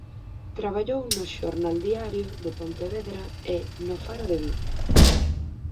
Traballou no "Xornal Diario" de Pontevedra e no "Faro de Vigo".